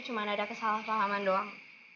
cuma ada kesalahpahaman doang